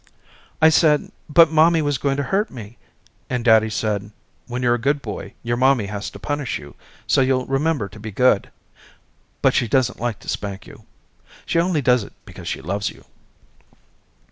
I said but mommy was going to hurt me and daddy said when you're a bad boy your mommy has to punish you so you'll remember to be good, but she doesn't like to spank you. She only does it because she loves you.